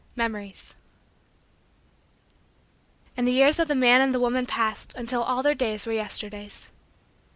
MEMORIES And the years of the man and the woman passed until all their days were Yesterdays.